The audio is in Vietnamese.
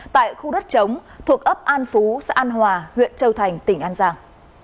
tại khu đất chống thuộc ấp an phú xã an hòa huyện châu thành tỉnh an giang